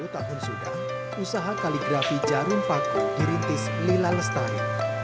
sepuluh tahun sudah usaha kaligrafi jarum paku dirintis lila lestari